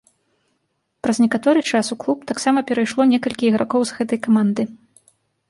Праз некаторы час у клуб таксама перайшло некалькі ігракоў з гэтай каманды.